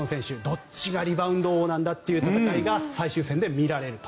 どっちがリバウンド王なんだという戦いが最終戦で見られると。